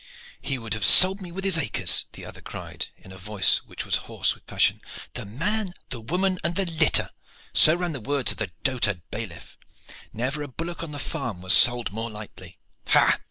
"He would have sold me with his acres," the other cried, in a voice which was hoarse with passion. "'The man, the woman and their litter' so ran the words of the dotard bailiff. Never a bullock on the farm was sold more lightly. Ha!